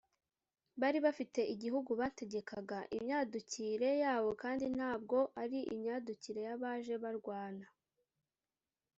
bari bafite igihugu bategekaga. imyadukire yabo kandi nta bwo ari imyadukire y’abaje barwana.